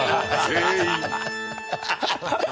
全員。